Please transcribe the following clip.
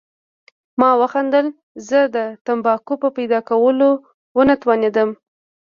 ما وخندل، زه د تمباکو په پیدا کولو ونه توانېدم.